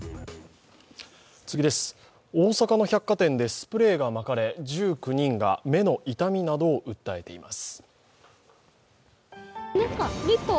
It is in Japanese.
大阪の百貨店でスプレーがまかれ、１９人が目の痛みなどを訴えています。